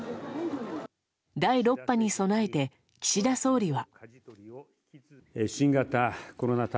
第６波に備えて岸田総理は。